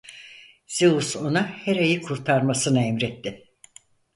Zeus ona Hera'yı kurtarmasını emretti.